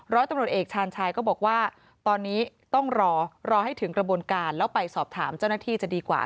ร้อยตำรวจเอกชาญชายก็บอกว่าตอนนี้ต้องรอรอให้ถึงกระบวนการแล้วไปสอบถามเจ้าหน้าที่จะดีกว่า